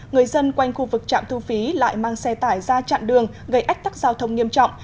người dân quanh khu vực trạm thu phí lại mang xe tải ra chặn đường gây ách tắc giao thông nghiêm trọng